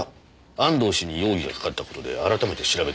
安藤氏に容疑がかかった事で改めて調べてみました。